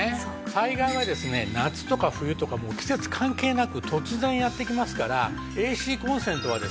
災害はですね夏とか冬とかもう季節関係なく突然やって来ますからＡＣコンセントはですね